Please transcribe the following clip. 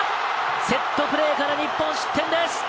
セットプレーから日本失点です。